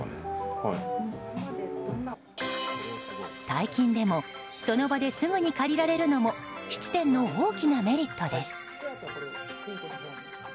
大金でもその場ですぐに借りられるのも質店の大きなメリットです。